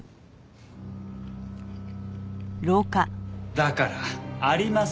だからありませんよ